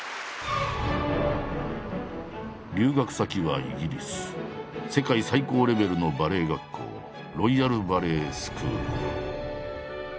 留学先はイギリス世界最高レベルのバレエ学校ロイヤル・バレエスクール。